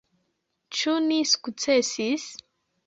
Ĉu ni sukcesis?